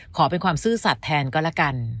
ขอเป็นความซื่อสัตว์แทนก็แล้วกัน